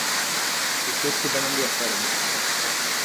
Οι Τούρκοι δεν ενδιαφέρονται